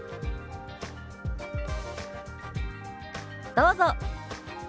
どうぞ。